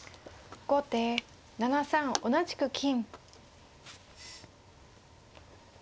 後手７三同じく金。